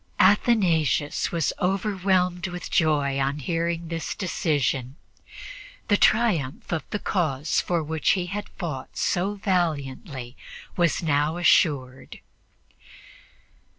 Athanasius was overwhelmed with joy on hearing this decision. The triumph of the cause for which he had fought so valiantly was now assured.